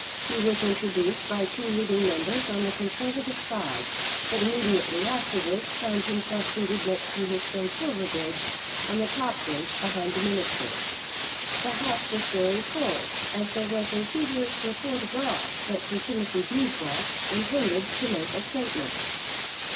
He was introduced by two leading Members on the Conservative side, but immediately afterwards found himself seated next to his friend Silverbridge on the top bench behind the ministers. The House was very full, as there was a feverish report abroad that Sir Timothy Beeswax intended to make a statement.